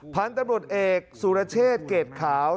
พันธุ์ตำรวจเอกสุรเชษเกรดขาว